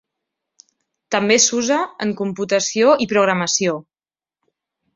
També s'usa en computació i programació.